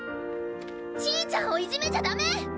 ちぃちゃんをいじめちゃだめ！